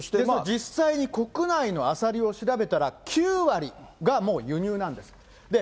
実際に国内のアサリを調べたら、９割がもう輸入なんです。